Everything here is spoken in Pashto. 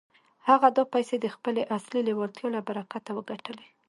هغه دا پيسې د خپلې اصلي لېوالتيا له برکته وګټلې.